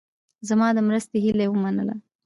زما د مرستې هیله یې ومنله.